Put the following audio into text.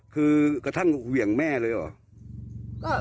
คือกระทั่งเหวี่ยงแม่เลยเหรอ